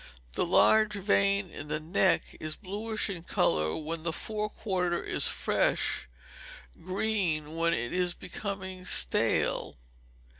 The large vein in the neck is bluish in colour when the fore quarter is fresh, green when it is becoming stale.